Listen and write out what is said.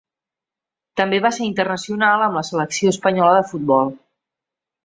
També va ser internacional amb la selecció espanyola de futbol.